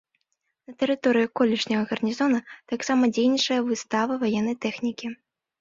На тэрыторыі колішняга гарнізона таксама дзейнічае выстава ваеннай тэхнікі.